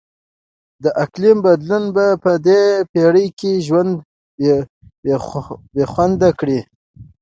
د اقلیم بدلون به په دې پیړۍ کې ژوند بیخونده کړي.